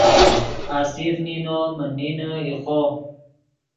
آصف نینو من نینے ایخو